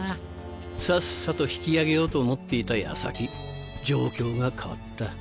さっさと引き上げようと思っていた矢先状況が変わった。